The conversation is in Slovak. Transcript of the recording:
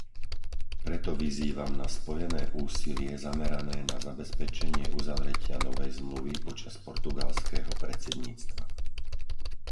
Preto vyzývam na spojené úsilie zamerané na zabezpečenie uzavretia novej zmluvy počas portugalského predsedníctva.